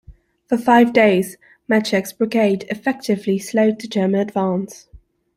For five days Maczek's brigade effectively slowed the German advance.